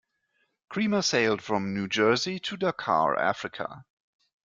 Creamer sailed from New Jersey to Dakar, Africa.